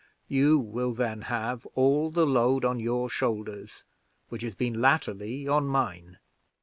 You will then have all the load on your shoulders which has been latterly on mine.